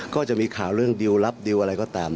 ก็จะมีข่าวเรื่องดิวรับดิวอะไรก็ตาม